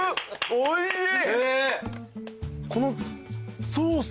おいしい。